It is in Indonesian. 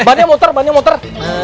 bannya muter bannya muter